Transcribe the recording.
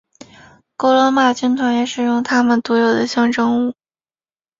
古罗马军团也使用他们独有的象征物。